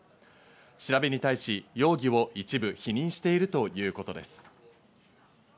調べに対し、容疑を一部否認しているということです。